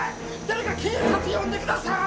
誰か警察呼んでください！